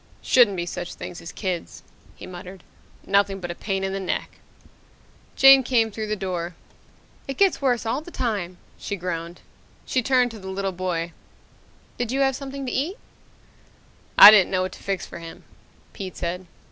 "Shouldn't be such things as kids," he muttered. "Nothing but a pain in the neck!" Jane came through the door. "It gets worse all the time," she groaned. She turned to the little boy. "Did you have something to eat?" "I didn't know what to fix for him," Pete said.